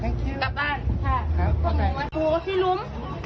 เขาซิ่มอร่อยกิน